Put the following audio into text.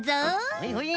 はいはい。